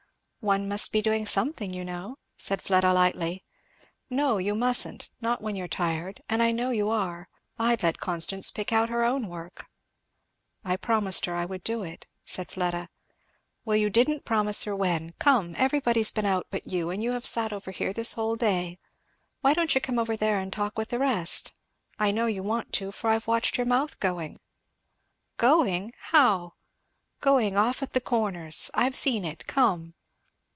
"One must be doing something, you know," said Fleda lightly. "No you mustn't not when you're tired and I know you are. I'd let Constance pick out her own work." "I promised her I would do it," said Fleda. "Well, you didn't promise her when. Come! everybody's been out but you, and you have sat here over this the whole day. Why don't you come over there and talk with the rest? I know you want to, for I've watched your mouth going." "Going! how?" "Going off at the corners. I've seen it! Come."